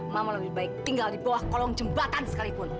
mama lebih baik tinggal di bawah kolong jembatan sekalipun